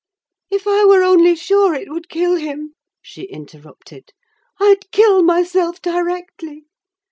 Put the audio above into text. "If I were only sure it would kill him," she interrupted, "I'd kill myself directly!